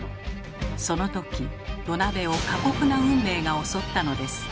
その時土鍋を過酷な運命が襲ったのです。